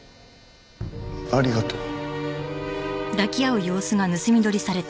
ありがとう。